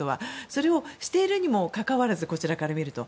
それをしているにもかかわらずこちらから見ると。